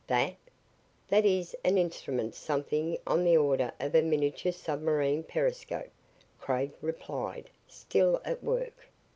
"That? That is an instrument something on the order of a miniature submarine periscope," Craig replied, still at work.